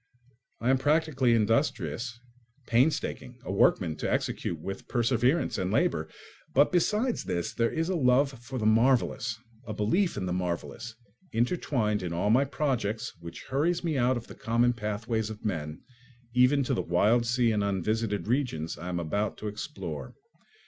I am practically industrious—painstaking, a workman to execute with perseverance and labour—but besides this there is a love for the marvellous, a belief in the marvellous, intertwined in all my projects, which hurries me out of the common pathways of men, even to the wild sea and unvisited regions I am about to explore.